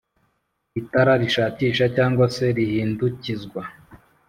itara rishakisha cg se rihindukizwa